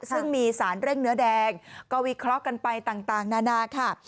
ซึ่งมีสารเร่งเนื้อแดงก็วิเคราะห์กันไปต่างนานาค่ะ